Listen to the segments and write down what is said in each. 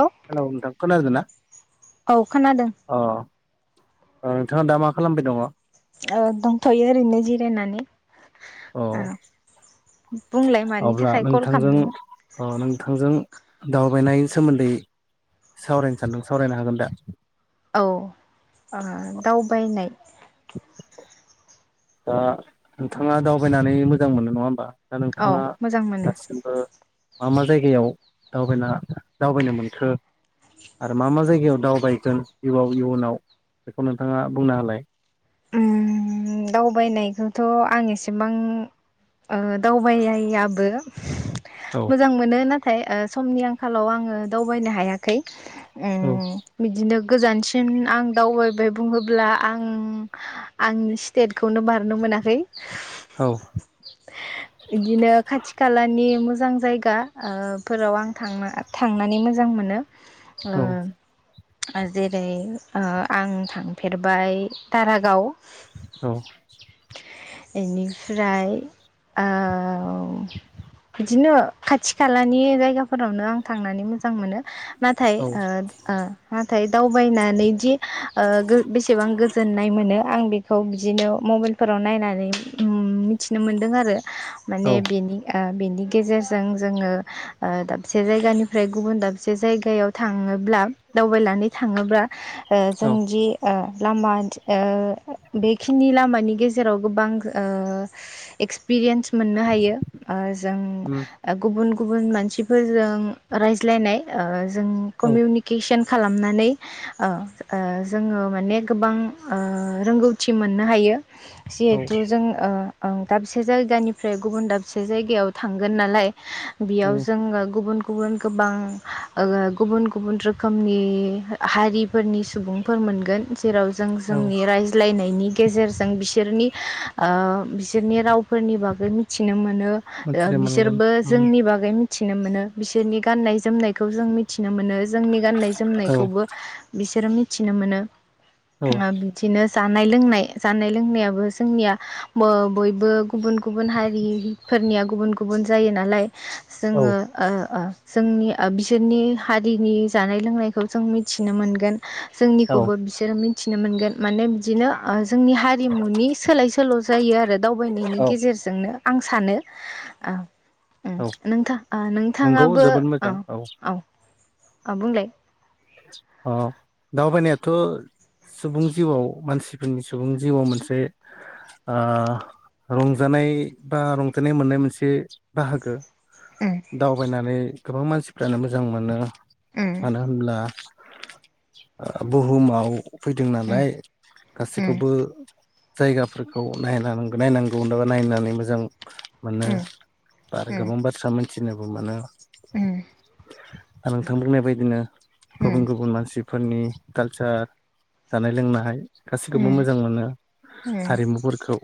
औ हेलौ नोंथां खोनादोंना? औ खोनादों अ। नोंथाङा दा मा खालामबाय दङ? औ दंथ'यो ओरैनो जिरायनानै। अ ओ बुंलाय मानि अब्ला थाखाय कल नोंथांजों खालामदोंमोन अ नोंथांजों दावबायनायनि सोमोन्दै सावरायनो सानदों सावरायनो हागोन दा? औ आ दावबायनाय दा नोंथाङा दावबायनानै मोजां मोनो नङा होमबा? दा औ नोंथाङा मोजां मोनो दासिमबो मा- मा जायगायाव दावबायना दावबायनो मोनखो? आरो मा- मा जायगायाव दावबायगोन जिउवाव इयुनाव बेखौ नोंथाङा बुंना होलाय। उम दावबायनायखौथ' आं एसेबां ओ दावबायाबो। औ मोजां मोनो नाथाय समनि आंखालाव आङो दावबायनो हायाखै। ओ औ बिदिनो गोजानसिन आं दावबायबाय बुङोब्ला आं- आं स्टेटखौनो बारनो मोनाखै। औ बिदिनो खाथि- खालानि [unintelligible] [unintelligible] जायगाफोराव आं थांनो- थांनानै मोजां मोनो। औ ओ जेरै आं थांफेरबाय दारागाव, [unintelligible] बेनिफ्राय ओ बिदिनो खाथि-खालानि जायगाफोरावनो आं थांनानै मोजां मोनो। नाथाय औ ओ -ओ नाथाय दावबायनानै दि बेसेबां गोजोननाय मोनो आं बेखौ बिदिनो मबाइलफोराव नायनानै मिथिनो मोनदों आरो। माने औ बेनि आ बेनि गेजेरजों जोङो ओ दाबसे जायगानिफ्राय गुबुन दाबसे जायगायाव थाङोब्ला दावबायनानै थाङोब्ला औ जोंदि ओ लामा ओ बे खिनि लामानि गेजेराव गोबां ओ एक्स पिरियेन्स मोननो हायो, जों उम गुबुन- गुबुन मानसिफोरजों रायज्लायनाय जों औ कमिउनिकेसन खालामनानै ओ -ओ जोङो माने गोबां ओ रोंगौ [unintelligible] मोननो हायो। औ जिहेथु जों ओम दाबसे जायगानिफ्राय गुबुन दाबसे जायगायाव थांगोन नालाय। बेयाव उम जोङो गुबुन गुबुन गोबां ओ गुबुन -गुबुन रोखोमनि हारिफोरनि सुबुंफोर मोनगोन जेराव जों औ जोंनि [unintelligible] [unintelligible] गेजेरजों बिसोरनि- बिसोरनि रावफोरनि बागै मिथिनो [unintelligible] [unintelligible] ओ मिथिनो मोनगोन बिसोरबो उम जोंनि बागै मिथिनो मोनो बिसोरनि गाननाय- जोमनायखौ जों मिथि मिथिनो मोनो जोंनि गाननाय औ -जोमनायखौबो बिसोरो मिथिनो मोनो। औ [unintelligible] बिदिनो जानाय- लोंनाय जानाय -लोंनायाबो जोंनिया बयबो गुबुन- गुबुन हारिफोरनिया गुबुन- गुबुन जायो नालाय औ जोङो ओ -ओ जोंनि बिसोरनि हारिनि जानाय -लोंनायखौ जों मिथिनो मोनगोन। जोंनिखौबो बिसोरो मिथिनो मोनगोन माने बिदिनो ओ जोंनि हारिमुनि सोलाय सोल' जायो आरो दावबायनायनि औ गेजेरजोंनो। आं सानो ओ उम औ नोंथां नंगौ नोंथाङाबो जोबोद अ मोजां -अ औ -औ बुंलाय। अ दावबायनायाथ' सुबुं जिउआव मानसिफोरनि सुबुं जिउआव मोनसे ओ रंजानाय बा रंजानाय मोननाय मोनसे बाहागो। उम दावबायनानै गोबां मानसिफ्रानो मोजां मोनो मानो होनब्ला ओ बुहुमाव फैदों उम नालाय उम गासैखौबो जायगाफोरखौ नायना नायनांगौ होनाबा नायनानै मोजां मोनो उम उम आरो गोबां बाथ्रा मोनथिनोबो मोनो। उम आरो नोंथां बुंनाय बायदिनो गुबुन उम गुबुन मानसि फोरनि कालसार जानाय लोंनाय उम गासिखौबो मोजां मोनो उम हारिमुफोरखौ।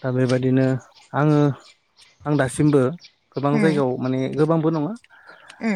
दा बेबायदिनो आंङो आं दासिमबो गोबां जायगायाव माने गोबांबो नंङा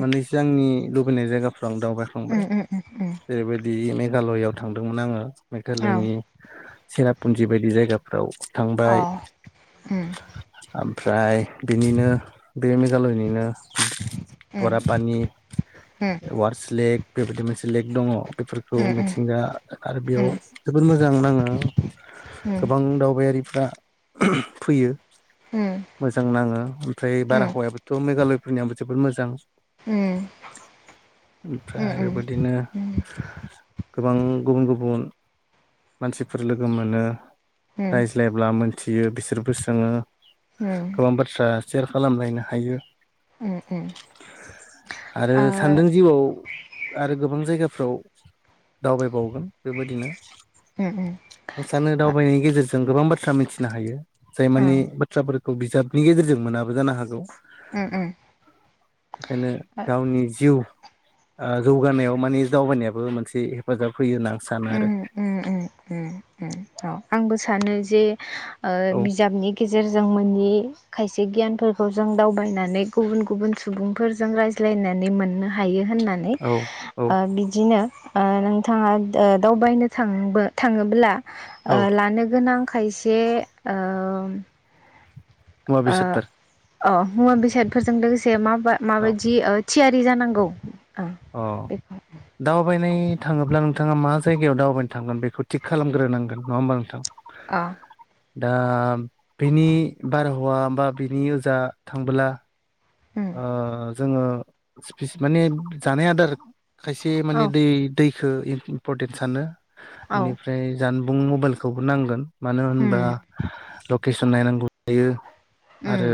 माने जे आंनि लुबैनाय जायगाफ्राव आं दावबायखांबाय उम उम उम जेरैबायदि मेघालयआव थांदोंमोन आंङो औ मेघालयनि सेरापुन्जि बायदि जायगाफ्राव अ थांबाय उम उम ओमफ्राय बिनिनो बे मेघालयनिनो उम बरापानि उम वारस लेक बेबायदि मोनसे लेक दंङ। बेफोरखौ मिथिंगा आरो बेयाव उम जोबोद मोजां नांङो उम गोबां दावबायारिफ्रा फैयो मोजां नांङो ओमफ्राय उम ओ बारहावायाबोथ' मेघालय फोरनियाबो जोबोद मोजां। उम। ओमफ्राय बेबायदिनो गोबां गुबुन गुबुन मानसिफोर लोगो मोनो रायज्लायब्ला मोन थियो बिसोरबो सोङो गोबां बाथ्रा सेयार खालामलायनो हायो। उम उम ओ सान्दों जिउआव आरो गोबां जायगाफ्राव दावबायबावगोन बेबायदिनो। ओ आं सानो दावबायनायनि गेजेरजों गोबां बाथ्रा मिथिनो हायो जाय मानि बाथ्राफोर खौ बिजाबनि गेजेरजों मोनाबो जानो हागौ उम उम बेखायनो ओ गावनि जिउ ओ जौगानायाव माने दावबायनायाबो मोनसे हेफाजाब फैयो होननानै आं सानो आरो। उम उम उम उम उम औ आंबो सानो जे ओ औ बिजाबनि गेजेरजों मोनि खायसे गियानफोरखौ जों दावबायनानै गुबुन गुबुन सुबुंफोरजों रायज्लाय लायनानै मोननो हायो होननानै औ औ ओ बिदिनो ओ नोंथांङा ओ दावबायनो थांबो थाङोब्ला औ ओ लानो गोनां खायसे ओ मुवा बेसाद फोर अ मुवा बेसादफोरजों लोगोसे मा बा औ माबायदि ओ थियारि जानांगौ? ओ अ बेखौ दावबायनाय थांङोब्ला नोंथांङा मा जायगायाव दावबायनो थांगोन बेखौ थिग खालामग्रोनांगोन नंङा होमबा नोंथां? अ दा बिनि बारहावा बा बिनि ओजा थांबोला उम ओ जोंङो [unintelligible] माने जानाय आदार खायसे औ माने दै दैखौ इम्परटेन सानो औ इनिफ्राय जान बुं मबाइलखौबो नांगोन मानो उम होनबा लकेसन नायनांगौ जायो। आरो उम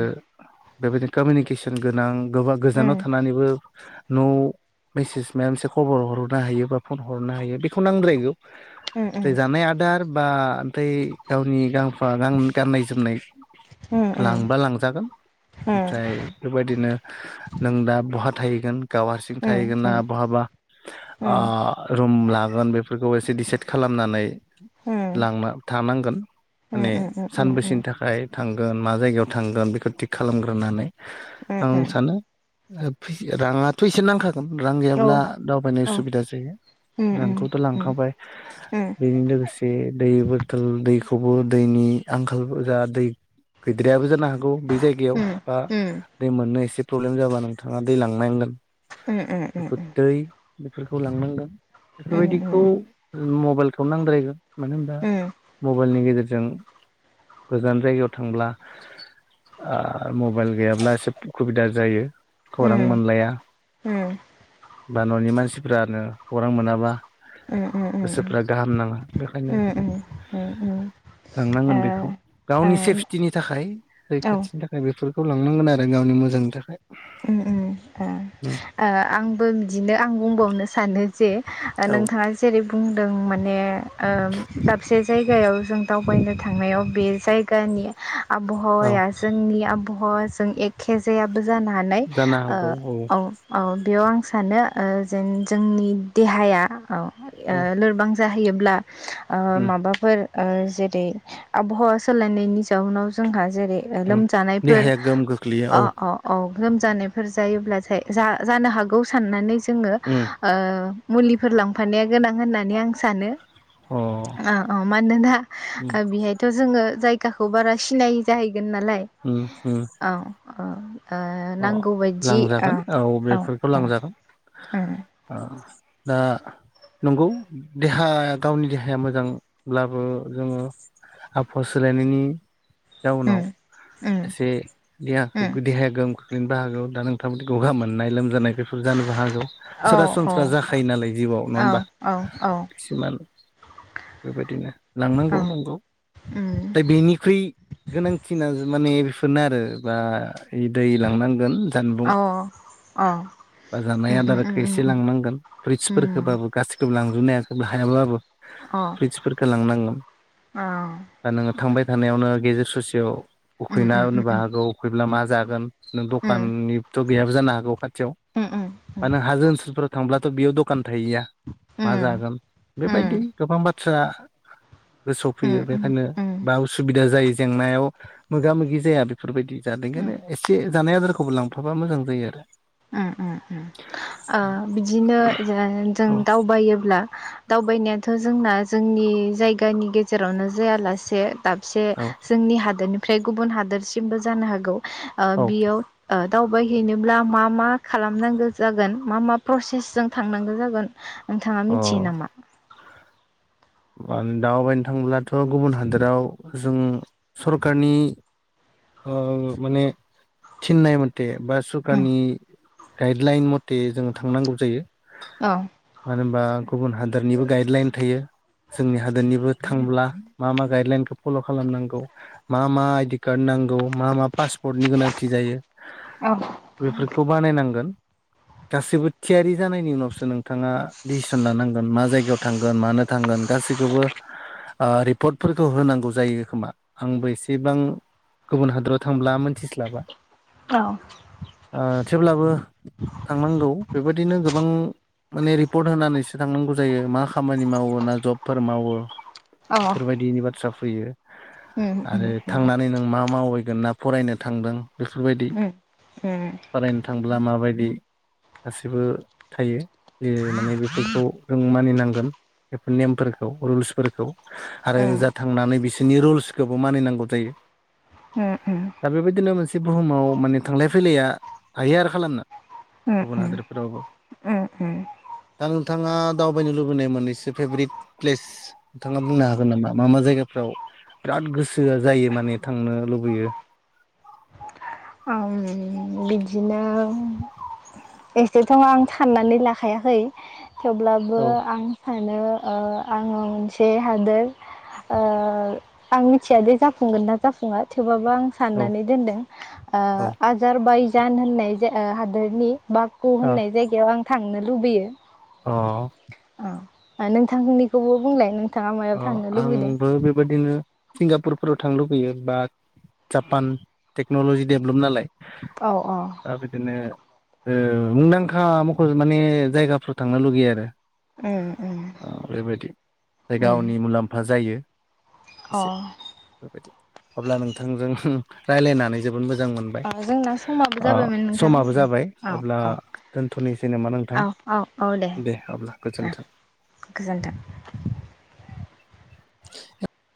बेबायदिनो कमिउनिकेसन गोनां गोबां उम गोजानाव थानानैबो न'आव मेसेज माबा मोनसे खबर हरनो हायो बा फन हरनो हायो बेखौ नांद्रायगौ। बे जानाय आदार बा दै गावनि गांफा गां गाननाय जोमनाय लांबा लांजागोन ओमफ्राय बेबायदिनो नों दा बहा थाहैगोन? गाव हारसिं थाहैगोन ना बहाबा ओ रुम लागोन बेफोरखौ एसे डिसाइद खालामनानै लांना थानांगोन माने सानबैसेनि थाखाय थांगोन मा जायगायाव थांगोन बेखौ थिग खालामग्रोनानै। आं सानो ओ फै राङाथ' एसे नांखागोन रां गैयाब्ला दावबायनाय उसुबिदा जायो। रांखौथ' लांखाबाय औ बेजों लोगोसे दै बथल दैखौ बो दैनि आंखाल जा दै गैद्रायाबो जानो हागौ बे जायगायाव बा दै मोननो एसे प्रब्लेम जाबा नोंथाङा दै लांनांगोन। उम उम बेखौ उम उम। दै बेफोरखौ लांनांगोन बेफोरबायदिखौ मबाइलखौ नांद्रायगोन। मानो होनबा मबाइलनि गेजेर जों गोजान जायगायाव थां ब्ला ओ म बाइल गैयाब्ला एसे उसुबिदा जायो। खौरां ओम मोनलाया ओम। बा न'नि मानसिफोरानो खौरां मोनाबा गोसोफ्रा गाहाम नाङा बेखायनो थांनांगोन बेखौ गावनि सेफटिनि थाखाय रैखाथिनि थाखाय बेफोरखौ लांनांगोन आरो गावनि मोजांनि थाखाय। ओम ओम ओ। ओ आंबो बिदिनो आं बुंबावनो सानो जे नोंथाङा जेरै बुंदों माने ओ दाबसे जायगायाव जों दावबायनो थांनायाव बे जायगानि औ आबहावाया जोंनि आब हावाजों एखे जायाबो जानो हानाय। जानो हागौ ओ औ औ। बेयाव आं सानो ओ जेन जोंनि देहाया औ ओ लोरबां जाहैयोब्ला ओ औ माबाफोर ओ जेरै आबहावा सोलायनायनि जाउनाव जोंहा जेरै लोमजानायफोर देहाया गोहोम गोग्लैयो अ अ औ लोमजानायफोर जायोब्लाथाय जा जानो हागौ साननानै जोङो औ ओ मुलिफोर लांफानाया गोनां होननानै आं सानो। औ औ मानोना ओ बेहायथ' जोङो जायगाखौ बारा सिनाय जाहैगोन नालाय? अ औ औ। ओ अ नांगौ बायदि लांजागोन औ बेेफोरखौ लांजागोन उम अ। दा नंगौ देहा गावनि देहाया मोजांब्लाबो जोङो आबहावा सोलायनायनि जाउनाव उम एसे देहाखौ उम देहाया गोहोम गोग्लैनोबो हागौ। दा नोंथां बादि गगा मोननाय लोमजानाय बेफोर जानोबो हागौ उम औ सरासनस्रा जाखायो नालाय जिउआव नङा औ होमबा? औ खिसुमान बेबायदिनो लांनांगौ औ नंगौ उम दा बेनिख्रुइ गोनांथिना जों माने बेफोरनो आरो बा दै लांनांगोन। जानबुं औ। बा जानाय आदारखौ एसे उम लांनांगोन उम फ्रुइटसफोरखौबाबो गासिखोबो लां रुनायासो हायाबाबो अ फ्रुइटफोरखौ लांनांगोन अ बा नोङो थांबाय थानायावनो गेजेर ससेयाव उम उखैना उम उम होनबो उम हागौ उखैब्ला मा जागोन? नों उम दखाननिबोथ' गैयाबो जानो हागौ खाथियाव बा नों हाजो ओनसोलफोराव थांब्ला बेयाव दखान थाहैया मा जागोन बेबायदि गोबां बाथ्रा गोसोआव फैयो बेखायनो बा उसुबिदा जायो जेंनायाव मोगा मोगि जाया बेफोरबायदि [unintelligible] एसे जानाय आदारखौबो लांफाबा मोजां जायो आरो ओं ओं ओं ओ बिदिनो जों आरो दावबायोब्ला दावबायनायाथ' जोंना जोंनि जायगानि गेजेरावनो जायालासे दाबसे औ जोंनि हादोरनिफ्राय गुबुन हादोरसिमबो जानो हागौ ओ औ बियाव ओ दावबायहैनोब्ला मा मा खालामनांगौ जागोन मा मा प्रसेस जों थांनांगौ जागोन नोंथाङा मिथियो नामा? उम दावबायनो थांब्लाथ' गुबुन हादोराव जों सरखारनि ओ माने थिन्नायनाय मथे बा उम सरखारनि गाइडलाइन मथे जोङो थांनांगौ जायो। औ मानो होनबा गुबुन हादरनिबो गाइडलाइन थायो। जोंनि हादोरनिबो थांब्ला मा मा गाइडलाइनखौ फल' खालामनांगौ मा मा आइडि कार्ड नां नांगौ मा मा पासपर्टनि गोनांथि जायो औ बेफोरखौ बानायनांगोन। [inaudible] गासैबो थियारि जानायनि उनावसो नोंथाङा दिसिसन लानांगोन मा जायगायाव थांगोन मानो थांगोन गासैखौबो ओ रिपर्टफोरखौ होनांगौ जायो खोमा आंबो एसेबां गुबुन हादराव थांब्ला मोनथिस्लाबा। औ। ओ थेवब्लाबो थांनांगौ बेबायदिनो गोबां माने रिपर्ट होनानैसो थांनांगौ जायो मा खामानि मावो मा जबफोर मावो बेफोरबायदिनि बाथ्रा फैयो। उम उम उम आरो थांनानै नों मा मावैगोन ना फरायनो थांदों बेफोरबायदि। उम फरायनो थांब्ला माबायदि गासिबो थायो माने बेफोरखौ जों मानिनांगोन। बेफोर नेमफोरखौ रुल्सफोरखौ आरो उम ओजा थांनानै बिसोरनि रुल्सखौबो मानिनांगौ जायो। उम उम दा बेबायदिनो मोनसे बुहुमाव माने थांलाय फैलाया हायो आरो खालामनो उम गुबुन हादरफोरावबो। उम उम दा नोंथाङा दावबायनो लुबैनाय मोननैसो फेभरेट प्लेस नोंथाङा बुंनो हागोन नामा मा मा जायगा? औ बिराद गोसोआ जायो माने थांनो लुबैयो। औं बिदिनो एसेथ' आं साननानै लाखायाखै। थेवब्लाबो औ आं सानो ओ आङो मोनसे हादोर ओ आं मिथियादे जाफुंगोन ना जाफुङा थेवबाबो आं औ साननानै दोनदों ओ औ आजार बायजान होननाय ज हादोरनि बागु अ होननाय जायगायाव आं थांनो लुबैयो। अ। औ नोंथांनिखौबो बुंलाय नों अ आंबो बेबायदिनो सिंगापुर फोराव थां लुबैयो बा जापान टेक्न'लजि डेभलप नालाय औ औ ओ बिदिनो ओ मुंदांखा मख माने जायगाफ्राव थांनो लुगैयो आरो। उम उम। थाय उम गावनि मुलाम्फा जायो एसे अ बेबायदि अब्ला नोंथांजों रायज्लायनानै जोब मोजां मोनबाय अ जोंना समाबो जाबायमोन नोंथां समाबो जाबाय औ अब्ला दोनथनोसै नामा नोंथां औ औ औ दे अब्ला गोजोन्थों गोजोन्थों [inaudible]